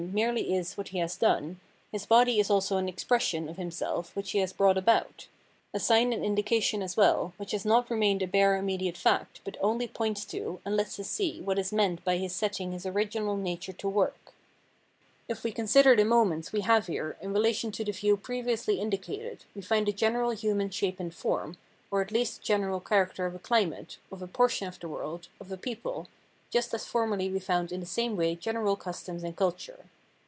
298 Self consciousness in relation with, its Actuality 299 is what he has done, his body is also an " expression " of himself which he has brought about ; a sign and indication as well, which has not remained a bare immediate fact, but only points to and lets us see what is meant by his setting his original nature to work. If we consider the moments we have here in relation to the view previously indicated, we find a general human shape and form, or at least the general character of a chmate, of a portion of the world, of a people, just as formerly we found in the same way general customs and culture.